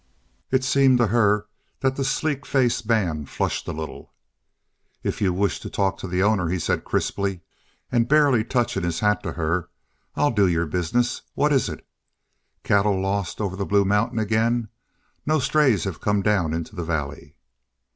It seemed to her that the sleek faced man flushed a little. "If you wish to talk to the owner," he said crisply, and barely touching his hat to her, "I'll do your business. What is it? Cattle lost over the Blue Mountains again? No strays have come down into the valley."